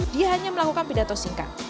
dia hanya melakukan pidato singkat